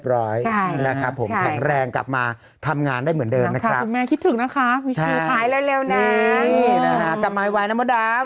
เพราะรอให้รอชักเชื่อมันหายไปเลย